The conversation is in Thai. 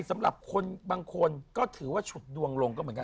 สำหรับคนบางคนก็ถือว่าฉุดดวงลงก็เหมือนกัน